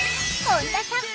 本田さん